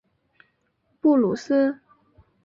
布鲁斯。